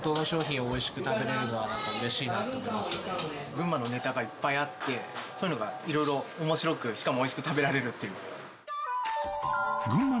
群馬のネタがいっぱいあってそういうのが色々面白くしかも美味しく食べられるっていう。